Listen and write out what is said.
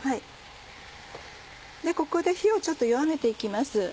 ここで火をちょっと弱めて行きます。